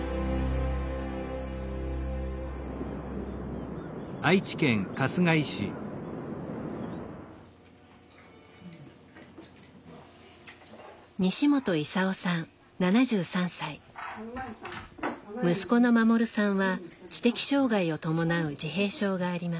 息子の護さんは知的障害を伴う自閉症があります。